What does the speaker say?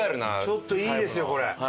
ちょっといいですよこれ。